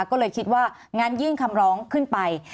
ก็เลยคิดว่างั้นยื่นคำร้องขึ้นไป